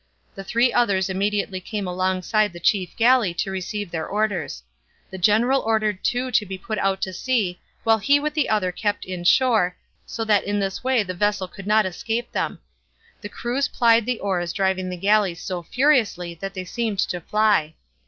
The three others immediately came alongside the chief galley to receive their orders. The general ordered two to put out to sea while he with the other kept in shore, so that in this way the vessel could not escape them. The crews plied the oars driving the galleys so furiously that they seemed to fly.